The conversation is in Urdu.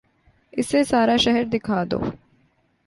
اسے سارا شہر دکھا دو